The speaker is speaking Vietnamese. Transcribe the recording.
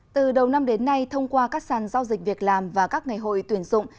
từ đầu năm đến nay thông qua các sàn giao dịch việc làm và các ngày hội tuyển dụng